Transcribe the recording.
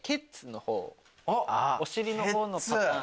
お尻の方のパターン。